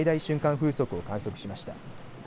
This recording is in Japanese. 風速を観測しました。